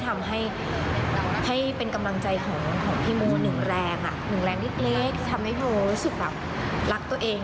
ทำให้เป็นกำลังใจของพี่โมหนึ่งแรงหนึ่งแรงเล็กที่ทำให้โมรู้สึกแบบรักตัวเอง